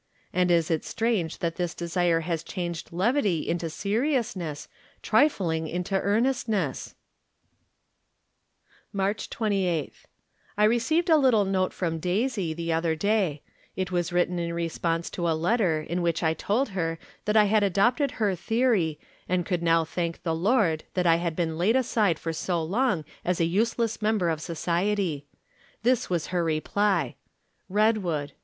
And is it strange that this desire has changed levity into seriousness, tri fling into earnestness ? March 28. — I received a little note from Daisy, the other day ; it was written in response to a From Different Standpoints. 103 letter in which I told her that I had adopted her theory, and could now thank the Lord that I had been laid aside for so long as a useless member of society. This was her reply : Redwood